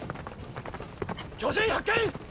巨人発見！！